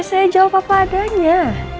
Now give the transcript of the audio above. ya saya jawab apa apa adanya